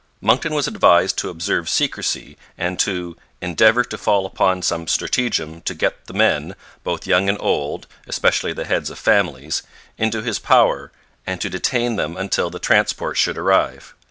Monckton was advised to observe secrecy, and to 'endeavour to fall upon some stratagem to get the men, both young and old (especially the heads of families)' into his power, and to detain them until the transports should arrive.